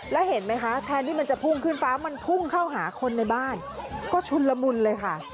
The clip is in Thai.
แล้วเห็นไหมคะแทนที่มันจะพุ่งขึ้นฟ้ามันพุ่งเข้าหาคนในบ้านก็ชุนละมุนเลยค่ะ